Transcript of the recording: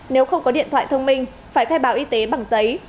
nếu không có điện thoại thông minh phải khai báo y tế bằng giấy